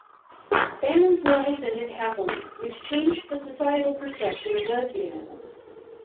Bannon's novels ended happily, which changed the societal perception of lesbianism.